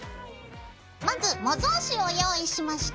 まず模造紙を用意しました。